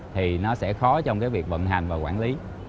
thì nó sẽ khó trong cái việc vận hành và quản lý